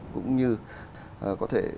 cũng như có thể